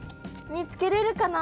見つけれるかな。